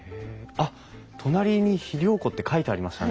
あっ隣に肥料庫って書いてありましたね。